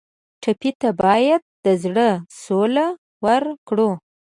ټپي ته باید د زړه سوله ورکړو.